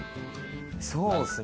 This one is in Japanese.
そうですね。